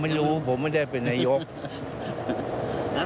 เดี๋ยวยังไม่คุยเลยกับนัยยกษ์เลย